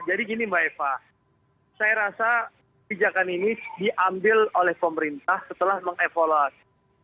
jadi gini mbak eva saya rasa kebijakan ini diambil oleh pemerintah setelah mengevolusi